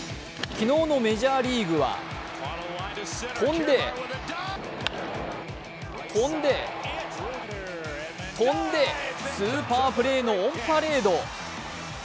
昨日のメジャーリーグは、飛んで、飛んで、飛んでスーパープレーのオンパレード。